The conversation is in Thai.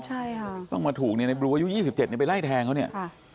อายุ๒๗เป็นอะไรแทย์เขาเนี่ย